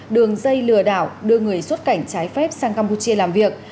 đường dây lừa đảo đưa người xuất cảnh trái phép sang campuchia làm việc